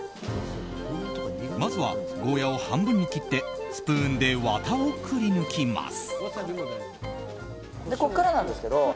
まずはゴーヤを半分に切ってスプーンでワタをくりぬきます。